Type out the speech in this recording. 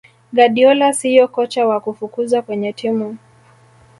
guardiola siyo kocha wa kufukuzwa kwenye timu